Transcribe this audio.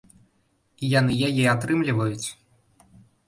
І яны яе атрымліваюць.